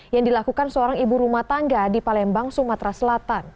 yang dilakukan seorang ibu rumah tangga di palembang sumatera selatan